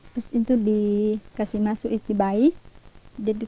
terus itu dikasih masuk istri bayi